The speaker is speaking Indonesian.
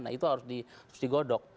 nah itu harus digodok